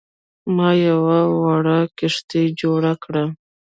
ما یوه وړه کښتۍ جوړه کړه.